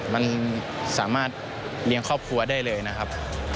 มันสามารถเลี้ยงครอบครัวได้เลยนะครับ